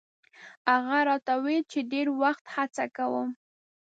هغه راته ویل چې ډېر وخت هڅه کوم.